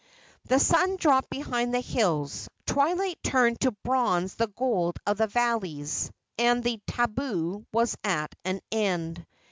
The sun dropped behind the hills; twilight turned to bronze the gold of the valleys, and the tabu was at an end.